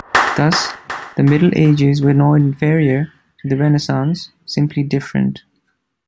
Thus, the Middle Ages were not inferior to the Renaissance, simply different.